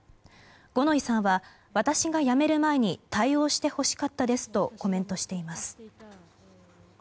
五ノ井さんは、私が辞める前に対応してほしかったですとコメントしています。